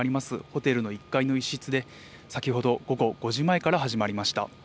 ホテルの１階の一室で、先ほど午後５時前から始まりました。